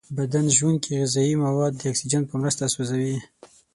بدن ژونکې غذایي مواد د اکسیجن په مرسته سوځوي.